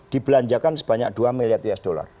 dibelanjakan sebanyak dua miliar usd